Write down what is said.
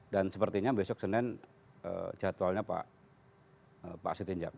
dan sepertinya besok senin jadwalnya pak sitinjak